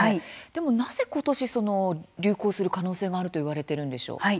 でもなぜ今年、流行する可能性があると言われているんでしょう。